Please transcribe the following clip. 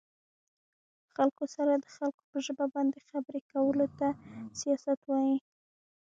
خلکو سره د خلکو په ژبه باندې خبرې کولو ته سياست وايه